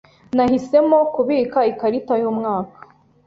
Nahisemo kubika ikarita yumwaka.